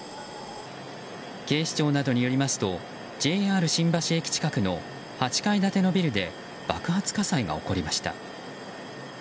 警視庁などによりますとＪＲ新橋駅近くの８階建てのビルで爆発火災が起きました。